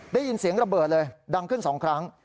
ได้ยินเสียงระเบิดเลยดังขึ้น๒ครั้ง